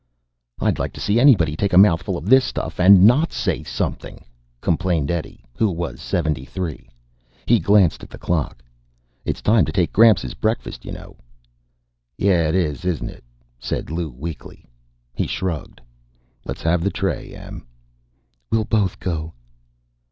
"I'd like to see anybody take a mouthful of this stuff and not say something," complained Eddie, who was 73. He glanced at the clock. "It's time to take Gramps his breakfast, you know." "Yeah, it is, isn't it?" said Lou weakly. He shrugged. "Let's have the tray, Em." "We'll both go."